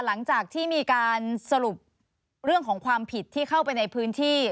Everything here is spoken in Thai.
หลังจากที่มีการสรุปเรื่องของความผิดที่เข้าไปในพื้นที่